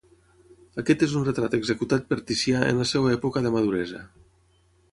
Aquest és un retrat executat per Ticià en la seva època de maduresa.